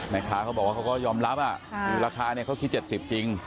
แม่ค้าเค้าบอกว่าเค้าก็ยอมรับค่ะรัคาเค้าคิด๗๐บาทจริง